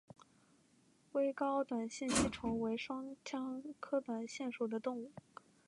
微睾短腺吸虫为双腔科短腺属的动物。